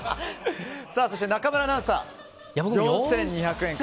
中村アナウンサー４２００円から。